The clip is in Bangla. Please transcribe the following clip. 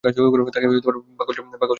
তাকে পাগল ছাড়া আর কি ডাকব?